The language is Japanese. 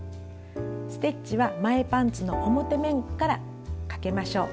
ステッチは前パンツの表面からかけましょう。